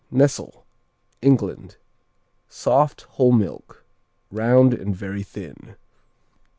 Nessel England Soft; whole milk; round and very thin.